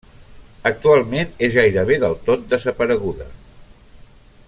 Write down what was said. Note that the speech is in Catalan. Actualment és gairebé del tot desapareguda.